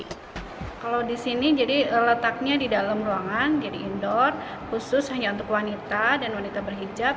kalau di sini jadi letaknya di dalam ruangan jadi indoor khusus hanya untuk wanita dan wanita berhijab